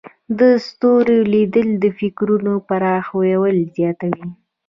د ستورو لیدل د فکرونو پراخوالی زیاتوي.